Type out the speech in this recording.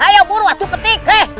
ayo buruh atuh petik